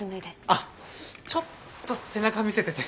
あちょっと背中見せてて。